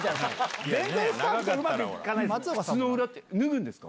全然スタッフとうまくいかな靴の裏って、脱ぐんですか？